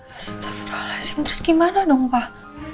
astaghfirullahaladzim terus gimana dong pak